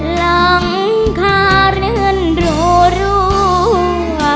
หลังคาเรือนรัว